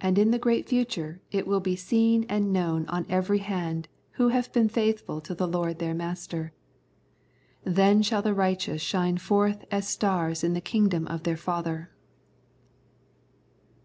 And in the great future it will be seen and known on every hand who have been faithful to their Lord and Master. " Then shall the righteous shine forth as stars in the kingdom of their Father."